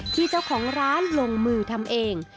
ที่เจ้าของร้านลงมือทำเอง